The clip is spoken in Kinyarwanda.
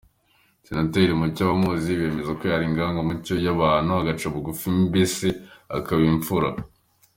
Senateri Mucyo abamuzi bemeza ko yari inyangamugayo, yakundaga abantu, agaca bugufi mbese akaba imfura.